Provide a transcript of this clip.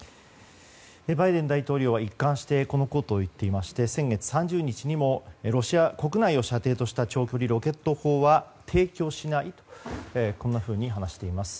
バイデン大統領は一貫してこのことを言っていまして先月３０日にもロシア国内を射程とした長距離ロケット砲は提供しないとこんなふうに話しています。